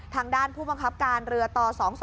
ทางด้านผู้บังคับการเรือต่อ๒๒